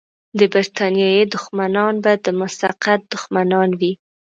د برتانیې دښمنان به د مسقط دښمنان وي.